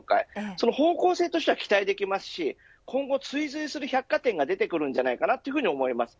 方向性としては期待できますし今後、追随する百貨店も出てくると思います。